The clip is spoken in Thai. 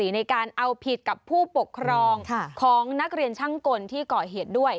ในการเอาผิดกับผู้ปกครองของนักเรียนช่างกลที่ก่อเหตุด้วย